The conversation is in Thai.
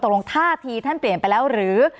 ตรงท่าทีท่านเปลี่ยนไปแล้วหรือ